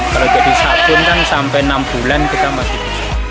kalau jadi sabun kan sampai enam bulan kita masih